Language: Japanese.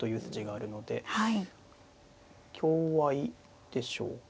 香合いでしょうか。